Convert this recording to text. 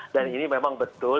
dan ini memang betul